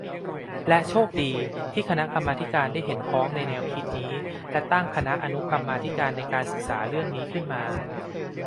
และโชคดีที่คณะกรรมาธิการได้เห็นพ้องในแนวคิดนี้ และตั้งคณะอนุกรรมาธิการในการศึกษาเรื่องนี้ขึ้นมา